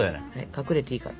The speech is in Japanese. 隠れていいから。